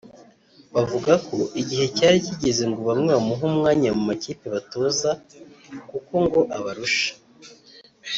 Bavuga ko igihe cyari kigeze ngo bamwe bamuhe umwanya mu makipe batoza kuko ngo abarusha